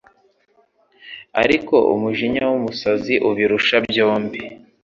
ariko umujinya w’umusazi ubirusha byombi